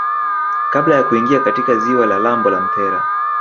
kabla ya kuingia katika ziwa la lambo la Mtera